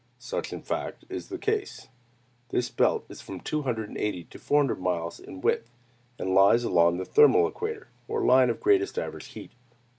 Such, in fact, is the case. This belt is from two hundred and eighty to four hundred miles in width, and lies along the thermal equator, or line of greatest average heat.